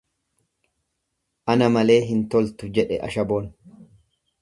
Ana malee hin toltu jedhe ashaboon.